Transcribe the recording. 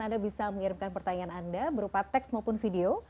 anda bisa mengirimkan pertanyaan anda berupa teks maupun video